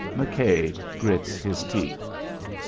McKay grits his teeth.